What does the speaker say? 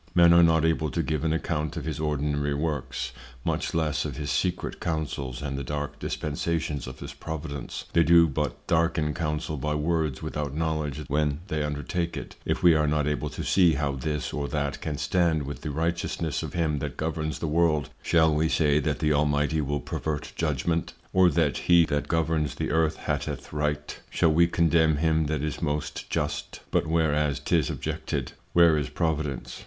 Men are not able to give an account of his ordinary Works, much less of his secret Counsels, and the dark Dispensations of his Providence: They do but darken Counsel by Words without Knowledge when they undertake it: If we are not able to see how this or that can stand with the Righteousness of him that governs the World, shall we say that the Almighty will pervert Judgment? or that he that governs the Earth hateth Right? Shall we condemn him that is most just? But whereas 'tis objected; where is Providence?